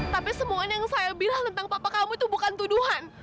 tapi semua yang saya bilang tentang papa kamu itu bukan tuduhan